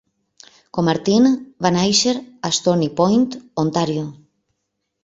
Comartin va néixer a Stoney Point, Ontario.